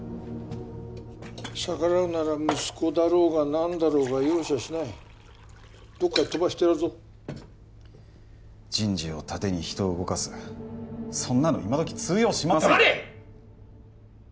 逆らうなら息子だろうがなんだろうが容赦しないどっかへ飛ばしてやるぞ人事を盾に人を動かすそんなの今どき通用しません黙れ！